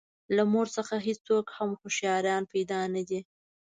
له مور څخه هېڅوک هم هوښیاران پیدا نه دي.